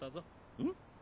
うん？